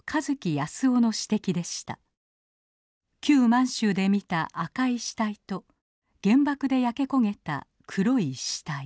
旧満州で見た「赤い屍体」と原爆で焼け焦げた「黒い屍体」。